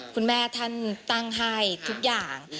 คุณแม่ท่านตั้งให้ทุกอย่าง